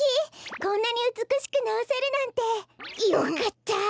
こんなにうつくしくなおせるなんて！よかった！